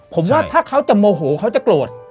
ผมว่าถ้าเขาจะโมโหเขาจะโกรธ